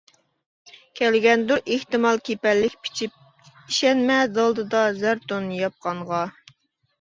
كەلگەندۇر ئېھتىمال كېپەنلىك پىچىپ، ئىشەنمە دالدىدا زەر تون ياپقانغا.